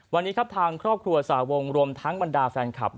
วันนี้ครับทางครอบครัวสาวงรวมทั้งบรรดาแฟนคลับ